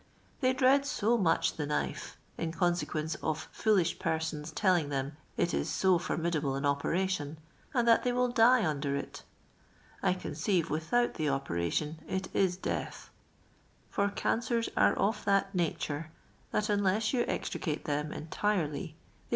They drend no much the knite. in ciiii««<n'i i e of fotiii5«h persons te'.inj th'Mii it i i so torniiiiable an operation, and that they will die un.ier it. I o nceive without the operation it i* death ; for careers are «if that naliiie tl.at un]i'>s ymi extricate them entirely they wii!